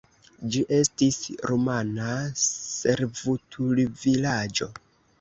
Ĝi estis rumana servutulvilaĝo.